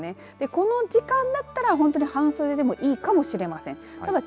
この時間だったら本当に半袖でもいいかもしれません。